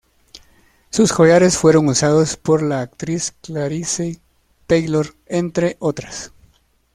Sus collares fueron usados por la actriz Clarice Taylor, entre otras.